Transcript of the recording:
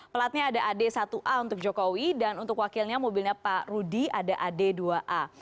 pelatnya ada ad satu a untuk jokowi dan untuk wakilnya mobilnya pak rudi ada ad dua a